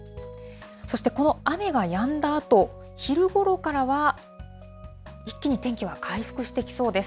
そして、この雨がやんだあと、昼ごろからは、一気に天気は回復してきそうです。